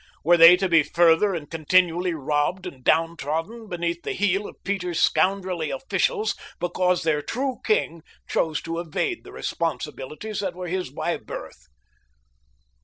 Were they to be further and continually robbed and downtrodden beneath the heel of Peter's scoundrelly officials because their true king chose to evade the responsibilities that were his by birth?